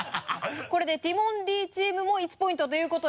これでティモンディチームも１ポイントということで。